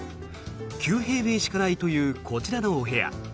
９平米しかないというこちらのお部屋。